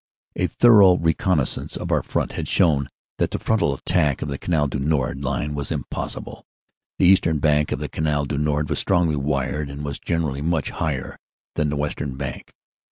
"A thorough reconnaissance of our front had shown that the frontal attack of the Canal du Nord line was impossible; the eastern bank of the Canal du Nord was strongly wired and was generally much higher than the western bank.